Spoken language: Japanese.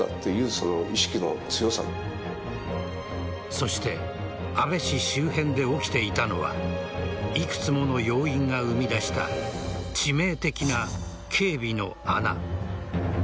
そして安倍氏周辺で起きていたのはいくつもの要因が生み出した致命的な警備の穴。